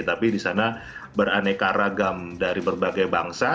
tapi di sana beraneka ragam dari berbagai bangsa